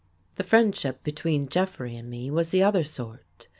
The friendship between Jeffrey and me was the other sort.